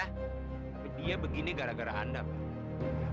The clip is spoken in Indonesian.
tapi dia begini gara gara anda